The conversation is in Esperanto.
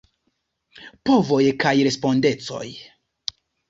Povoj kaj respondecoj.